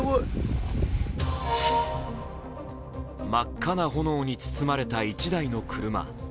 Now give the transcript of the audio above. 真っ赤な炎に包まれた１台の車。